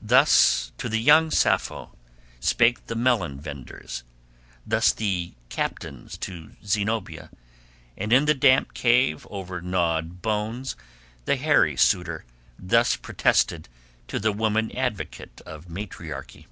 Thus to the young Sappho spake the melon venders; thus the captains to Zenobia; and in the damp cave over gnawed bones the hairy suitor thus protested to the woman advocate of matriarchy.